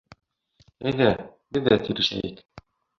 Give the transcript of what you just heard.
— Әйҙә, беҙ ҙә тирешәйек.